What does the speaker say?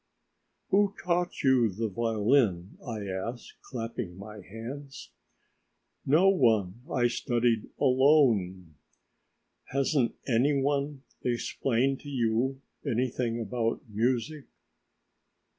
"Who taught you the violin?" I asked, clapping my hands. "No one, I studied alone." "Hasn't any one explained to you anything about music?"